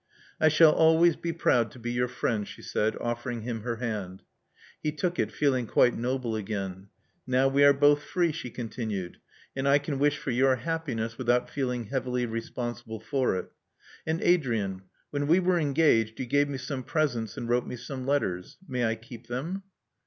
I shall always be proud to be your friend," she said, offering him her hand. He took it, feeling quite noble again. Now we are both free," she continued; •'and I can wish for your happiness without feeling heavily responsible for it. And, Adrian: when we were engaged, you gave me some presents and wrote me some letters. May I keep them?"